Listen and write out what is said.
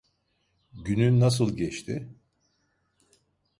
Günün nasıl geçti?